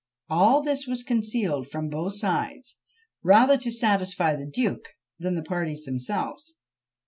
All this was concealed from both sides, rather to satisfy the duke than the parties themselves.